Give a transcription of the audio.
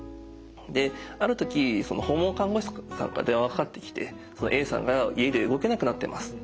である時訪問看護師さんから電話がかかってきて「Ａさんが家で動けなくなってます」って。